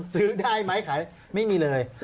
ซื้อได้ไหมขายไม่มีเลย